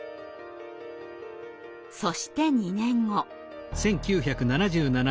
そして２年後。